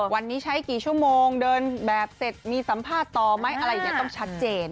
วันนี้ใช้กี่ชั่วโมงเดินแบบเสร็จมีสัมภาษณ์ต่อไหมอะไรอย่างนี้ต้องชัดเจน